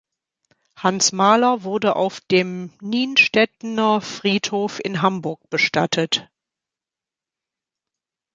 Hans Mahler wurde auf dem Nienstedtener Friedhof in Hamburg bestattet.